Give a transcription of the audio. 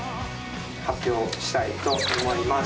発表したいと思います。